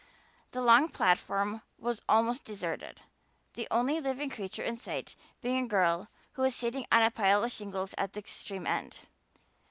The long platform was almost deserted; the only living creature in sight being a girl who was sitting on a pile of shingles at the extreme end.